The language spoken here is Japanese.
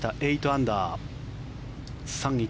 ８アンダー３位